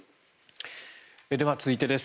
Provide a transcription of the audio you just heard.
では、続いてです。